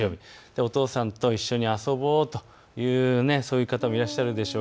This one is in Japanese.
お父さんと一緒に遊ぼうと、そういう方もいらっしゃるでしょう。